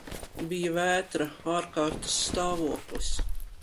Bija vētra, ārkārtas stāvoklis.